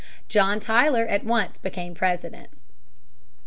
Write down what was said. John Tyler at once became President.